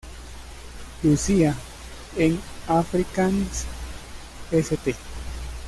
Lucia"; en afrikáans: "St.